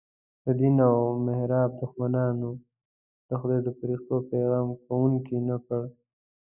د دین او محراب دښمنانو د خدای د فرښتو پیغام ګونګی نه کړ.